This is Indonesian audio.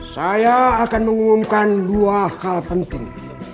saya akan mengumumkan dua hal penting